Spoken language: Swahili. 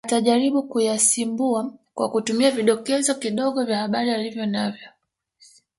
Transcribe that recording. Atajaribu kuyasimbua kwa kutumia vidokezo kidogo vya habari alivyonavyo